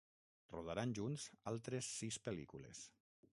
Rodaran junts altres sis pel·lícules.